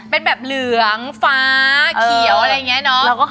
เป็นแบบเหลืองฟ้าเขียวอะไรอย่างนี้เนอะ